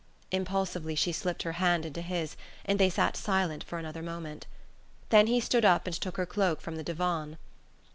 Impulsively she slipped her hand into his, and they sat silent for another moment. Then he stood up and took her cloak from the divan.